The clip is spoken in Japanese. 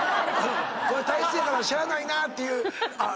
こういう体質やからしゃあないなっていうあっ！